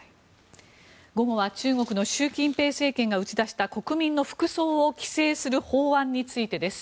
午後は中国の習近平政権が打ち出した国民の服装を規制する法案についてです。